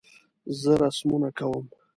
زه رسمونه کوم